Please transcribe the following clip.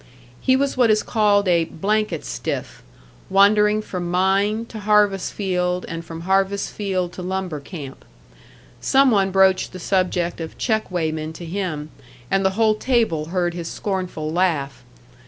He was what is called a "blanket stiff," wandering from mine to harvest field and from harvest field to lumber camp. Some one broached the subject of check weighmen to him, and the whole table heard his scornful laugh.